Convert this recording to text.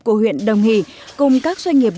của huyện đồng hỷ cùng các doanh nghiệp